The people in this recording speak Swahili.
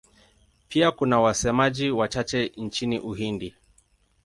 Pia kuna wasemaji wachache nchini Uhindi.